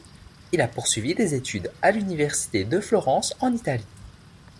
Il a poursuivi des études à l'Université de Florence en Italie.